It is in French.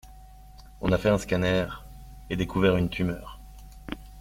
On a fait un scanner et découvert une tumeur.